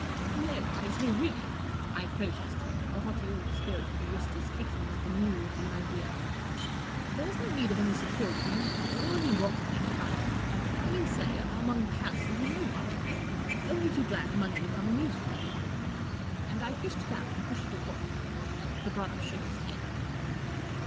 44 No, I say, really," I protested, the haughty old spirit of the Woosters kicking like a mule at the idea. 44 There's no need of any security, you know, or any rot of that kind. I mean to say, among pals, you know, what ? Only too glad the money'll come in useful." And I fished it out and pushed it across. The brother shook his head.